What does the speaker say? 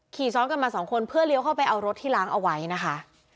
ขี่ซ้อนกันมาสองคนเพื่อเลี้ยวเข้าไปเอารถที่ล้างเอาไว้นะคะ